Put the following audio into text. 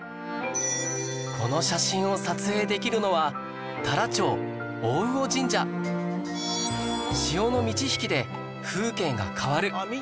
この写真を撮影できるのは潮の満ち引きで風景が変わる